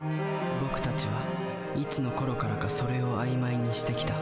僕たちはいつのころからか「それ」を曖昧にしてきた。